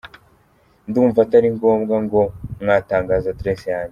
Ndumva atari ngombwa ko mwatangaza Adresse yanjye.